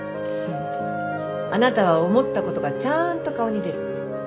あなたは思ったことがちゃんと顔に出る。